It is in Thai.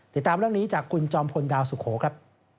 ติดตามเรื่องนี้จากคุณจอมพลดาวสุโขครับ